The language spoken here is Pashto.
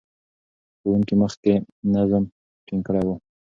ښوونکي مخکې نظم ټینګ کړی و.